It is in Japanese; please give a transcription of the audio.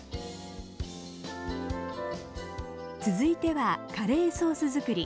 続いてはカレーソース作り。